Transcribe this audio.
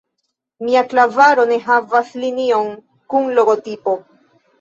Mia klavaro ne havas linion kun logotipo.